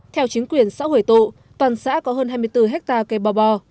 theo chính quyền xã hồi tụ toàn xã có hơn hai mươi bốn hectare cây bò bò